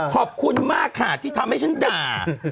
ขอบคุณมากค่ะที่ทำให้ฉันด่า